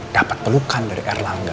dapet pelukan dari erlangga